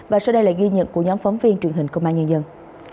và sau đây là ghi nhận của nhóm phóng viên truyền hình công an nhân dân